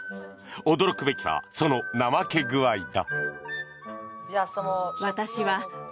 驚くべきはその怠け具合だ。